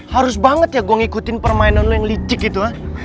harus banget ya gue ngikutin permainan lo yang licik gitu ya